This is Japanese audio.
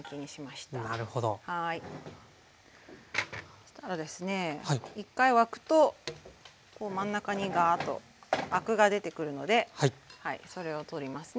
そしたらですね一回沸くと真ん中にガーッとアクが出てくるのでそれを取りますね。